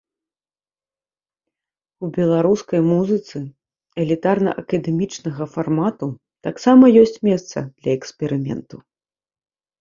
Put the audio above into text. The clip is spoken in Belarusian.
У беларускай музыцы элітарна-акадэмічнага фармату таксама ёсць месца для эксперыменту.